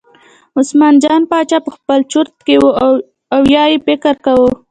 عثمان جان باچا په خپل چورت کې و او یې فکر کاوه.